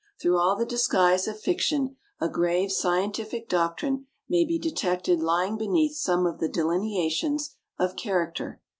Through all the disguise of fiction a grave scientific doctrine may be detected lying beneath some of the delineations of character.